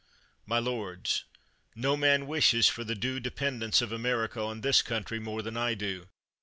My lords, no man wishes for the due dependence of America on this country more than I do.